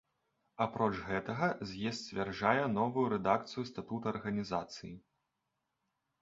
Апроч гэтага з'езд сцвярджае новую рэдакцыю статуту арганізацыі.